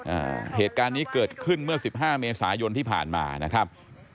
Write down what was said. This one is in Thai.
อ่าเหตุการณ์นี้เกิดขึ้นเมื่อสิบห้าเมษายนที่ผ่านมานะครับ